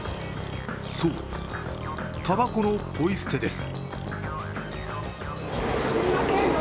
そう、たばこのポイ捨てです。